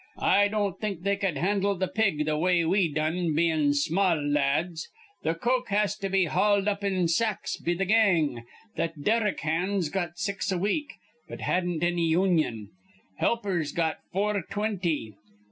I don't think they cud handle th' pig th' way we done, bein' small la ads. Th' coke has to be hauled up in sacks be th' gang. Th' derrick hands got six a week, but hadn't anny union. Helpers got four twinty.